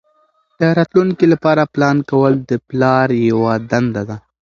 د راتلونکي لپاره پلان کول د پلار یوه دنده ده.